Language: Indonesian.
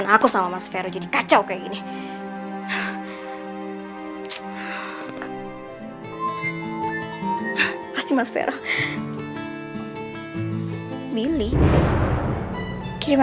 akan ada kejutan lagi dari aku